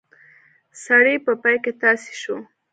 سړی په پای کې تاسی شو.